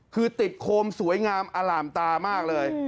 คือติดโคมสวยงามอล่ามตามากเลย